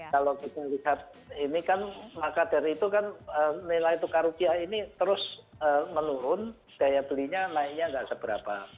kalau kita lihat ini kan maka dari itu kan nilai tukar rupiah ini terus menurun daya belinya naiknya nggak seberapa